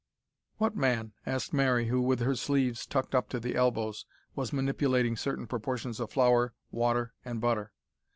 "What man?" asked Mary, who, with her sleeves tucked up to the elbows, was manipulating certain proportions of flour, water, and butter.